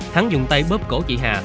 hắn dùng tay bóp cổ chị hà